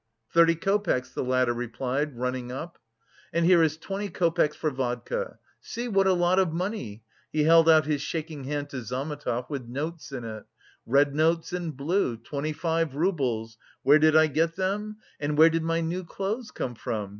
"Thirty copecks," the latter replied, running up. "And there is twenty copecks for vodka. See what a lot of money!" he held out his shaking hand to Zametov with notes in it. "Red notes and blue, twenty five roubles. Where did I get them? And where did my new clothes come from?